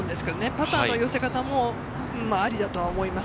パターの寄せ方もありだと思います。